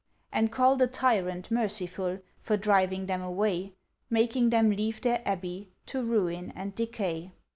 And call the tyrant merciful, For driving them away, Making them leave their Abbey To ruin and decay.